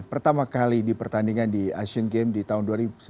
pertama kali di pertandingan di asian games di tahun seribu sembilan ratus lima puluh empat